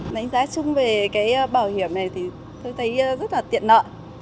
đánh giá chung về cái bảo hiểm này thì tôi thấy rất là tiện nợ